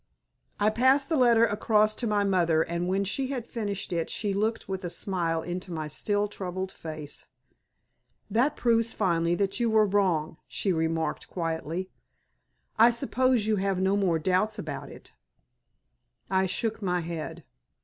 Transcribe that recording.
I passed the letter across to my mother, and when she had finished it she looked with a smile into my still troubled face. "That proves finally that you were wrong," she remarked, quietly. "I suppose you have no more doubts about it?" I shook my head.